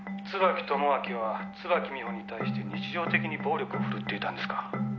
「椿友章は椿美穂に対して日常的に暴力をふるっていたんですか？」